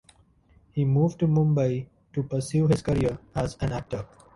He moved to Mumbai to pursue his career as an actor.